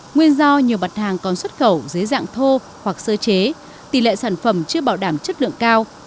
nguyên do nhiều mặt hàng còn xuất khẩu dưới dạng thô hoặc sơ chế tỷ lệ sản phẩm chưa bảo đảm chất lượng cao